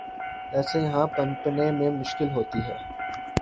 اسے یہاں پنپنے میں مشکل ہوتی ہے۔